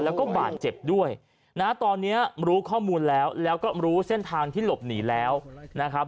แล้วก็บาดเจ็บด้วยนะตอนนี้รู้ข้อมูลแล้วแล้วก็รู้เส้นทางที่หลบหนีแล้วนะครับ